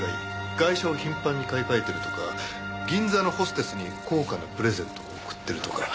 外車を頻繁に買い替えてるとか銀座のホステスに高価なプレゼントを贈ってるとか。